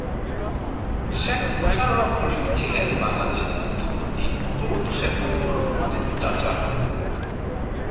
শেখ মোশাররফ হোসেন ছিলেন বাংলাদেশের স্থপতি বঙ্গবন্ধু শেখ মুজিবুর রহমানের চাচা।